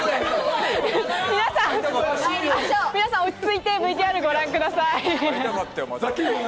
皆さん落ち着いて、ＶＴＲ、ご覧ください。